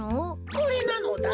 これなのだ。